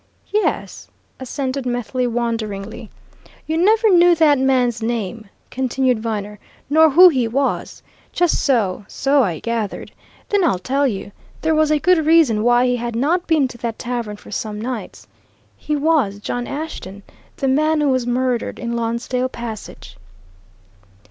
"Yes," assented Methley wonderingly. "You never knew that man's name?" continued Viner. "Nor who he was? Just so so I gathered. Then I'll tell you. There was a good reason why he had not been to that tavern for some nights. He was John Ashton, the man who was murdered in Lonsdale Passage!"